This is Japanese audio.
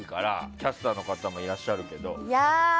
キャスターの方もいらっしゃるけど。